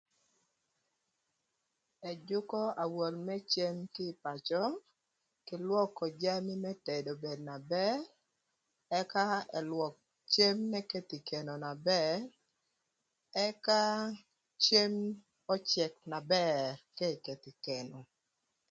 Ëjükö awol më cem kï ï pacö kï lwökö jami më tedo obed na bër ëka ëlwök cem n' ëkëthö ï keno na bër ëka cem öcëk na bër k'eketho ï keno